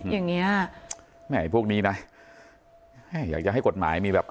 อย่างเงี้แหมพวกนี้นะอยากจะให้กฎหมายมีแบบ